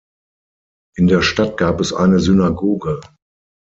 In der Stadt gab es eine Synagoge.